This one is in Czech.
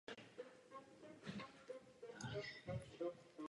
V dospělosti přijímá výhradně drobnější druhy ryb.